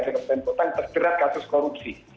kepada kementerian kota yang terjerat kasus korupsi